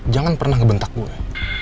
jangan pernah ngebentak gue